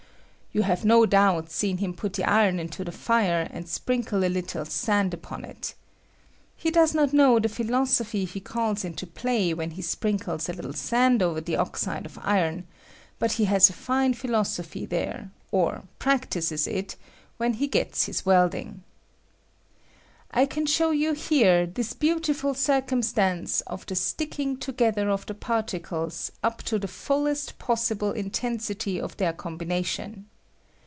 You have no doubt seen him put the iron into r k. WELDING PROPERTY OF PLATINUM, 193 the fire and sprinkle a little sand upon it. He does not know the ptiiloaophy he calls into play when he spriakles a little sand over the oxide of iron, but he has a fine philosophy there, or practices it, when he gets his welding. I can show you here this beautiful circumstance of the sticking together of the particles up to the fullest possible intensity of their combina tion.